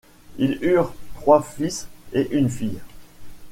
Ils eurent trois fils et une fille.